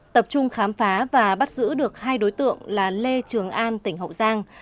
tập trung khám phá và bắt giữ được hai đối tượng là lê trường an tỉnh hậu giang